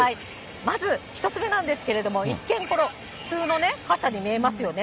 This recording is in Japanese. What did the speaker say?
まず１つ目なんですけれども、一見、これ、普通の傘に見えますよね。